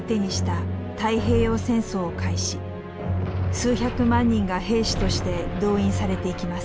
数百万人が兵士として動員されていきます。